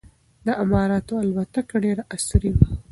د اماراتو الوتکه ډېره عصري وه.